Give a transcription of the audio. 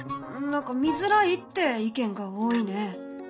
何か見づらいって意見が多いね。